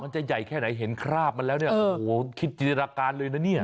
จะใหญ่แค่ไหนเห็นคราบมันแล้วเนี่ยโอ้โหคิดจินตนาการเลยนะเนี่ย